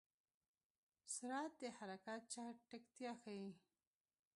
سرعت د حرکت چټکتیا ښيي.